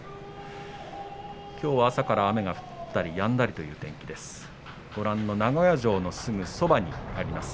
きょうは朝から雨が降ったりやんだりの天気です。